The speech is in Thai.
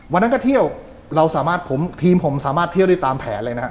วันนั้นก็เที่ยวเราสามารถผมทีมผมสามารถเที่ยวได้ตามแผนเลยนะฮะ